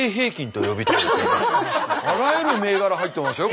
あらゆる銘柄入ってますよ